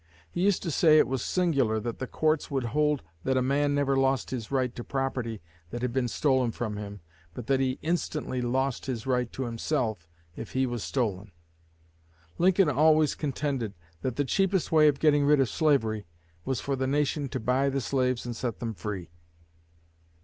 He used to say it was singular that the courts would hold that a man never lost his right to property that had been stolen from him, but that he instantly lost his right to himself if he was stolen. Lincoln always contended that the cheapest way of getting rid of slavery was for the nation to buy the slaves and set them free."